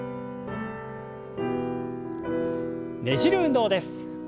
ねじる運動です。